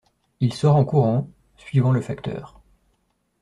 Il sort en courant, suivant le facteur.